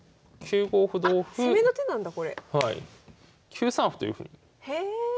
９三歩というふうにへえ。